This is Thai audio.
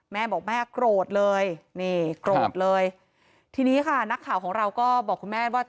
แม่บอกแม่โกรธเลยนี่โกรธเลยทีนี้ค่ะนักข่าวของเราก็บอกคุณแม่ว่า